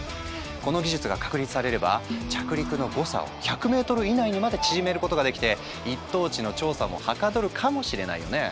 この技術が確立されれば着陸の誤差を１００ｍ以内にまで縮めることができて一等地の調査もはかどるかもしれないよね。